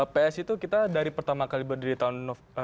psi itu kita dari pertama kali berdiri tahun